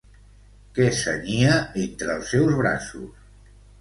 Què cenyia entre els seus braços?